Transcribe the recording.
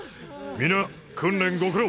皆訓練ご苦労！